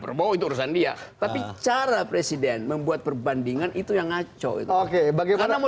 prabowo itu urusan dia tapi cara presiden membuat perbandingan itu yang ngaco itu oke bagaimana mau